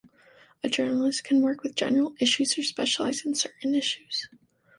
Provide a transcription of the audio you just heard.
A journalist can work with general issues or specialize in certain issues.